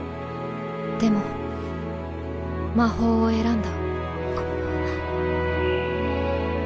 でも魔法を選んだ。